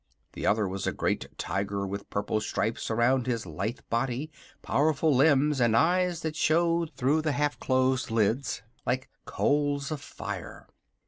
The other was a great Tiger with purple stripes around his lithe body, powerful limbs, and eyes that showed through the half closed lids like coals of fire.